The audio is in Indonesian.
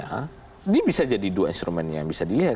ini bisa jadi dua instrumen yang bisa dilihat